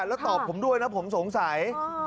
แล้วตอบผมด้วยนะผมสงสัย